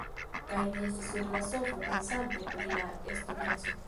Kaj mi estas sur la sofo pensante pri la estoneco.